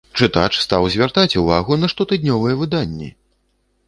Чытач стаў звяртаць увагу на штотыднёвыя выданні!